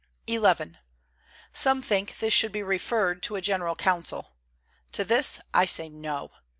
XI. Some think, this should be referred to a General Council. To this I say: No!